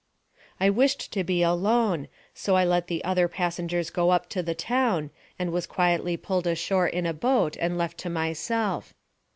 I wished to be alone, so I let the other passengers go up to the town, and was quietly pulled ashore in a boat, and left to myself.